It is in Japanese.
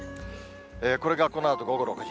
これがこのあと午後６時。